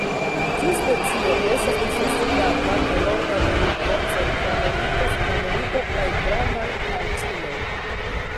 Tiu specio estas disvastigata en Nordameriko, Centrameriko, Sudameriko kaj Grandaj Antiloj.